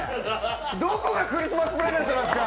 どこがクリスマスプレゼントなんですか！